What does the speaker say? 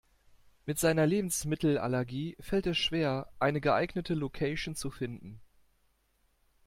Mit seiner Lebensmittelallergie fällt es schwer, eine geeignete Location zu finden.